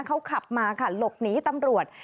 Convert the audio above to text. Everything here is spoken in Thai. เขาขับมาค่ะหลบหนีตำรวจ